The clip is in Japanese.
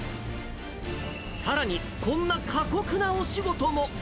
さらに、こんな過酷なお仕事も。